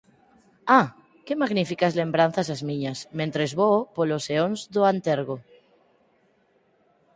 Ah, que magníficas lembranzas as miñas, mentres voo polos eóns do antergo.